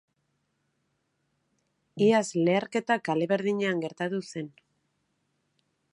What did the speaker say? Iaz leherketa kale berdinean gertatu zen.